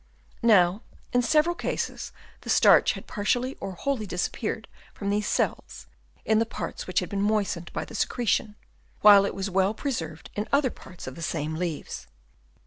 Now in several cases the starch had partially or wholly disappeared from these cells, in the parts which had been moistened by the secretion ; while it was still well pre served in the other parts of the same leaves.